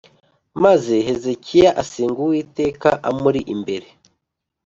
Maze Hezekiya asenga Uwiteka amuri imbere